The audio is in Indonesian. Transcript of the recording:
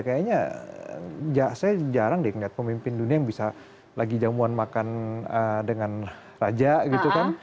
kayaknya saya jarang deh ngeliat pemimpin dunia yang bisa lagi jamuan makan dengan raja gitu kan